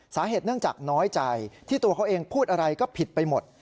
สาเหตุเนื่องจากน้อยใจที่ตัวเขาเองพูดอะไรก็ผิดไปหมด